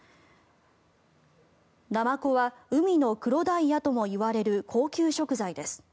ナマコは海の黒ダイヤともいわれる高級食材です。